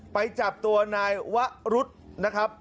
ไปจับตัวนายวะรุธนะครับ